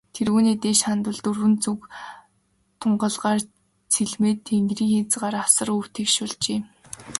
Тэргүүнээ дээш хандвал, дөрвөн зүг тунгалгаар цэлмээд, тэнгэрийн хязгаар асар өв тэгш болжээ.